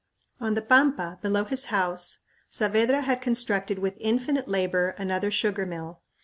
On the pampa, below his house, Saavedra had constructed with infinite labor another sugar mill.